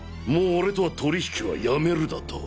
俺とは取引はやめるだと。